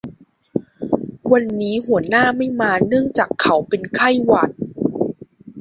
วันนี้หัวหน้าไม่มาเนื่องจากเขาเป็นไข้หวัด